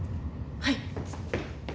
はい。